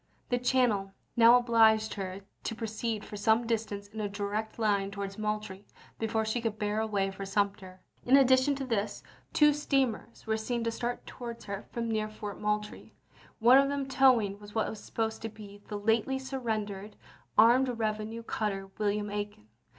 The channel now obliged her to proceed for some distance in a direct line towards Moultrie before she could bear away for Sumter. In addition to this, two steamers were THE aSTAH OF THE WEST" 101 seen to start towards her from near Fort Moul trie, one of them towing what was supposed to be the lately surrendered armed revenue cutter Will iam Aiken.